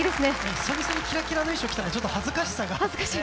久々にキラキラの衣装を着たら、恥ずかしさが。